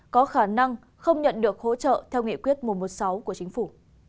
có khả năng không nhận được hỗ trợ theo nghị quyết mùa một sáu của chính phủ